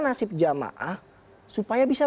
nasib jemaah supaya bisa